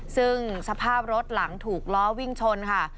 ซึ่งสภาพรถหลังถูกล้อวิ่งชนค่ะ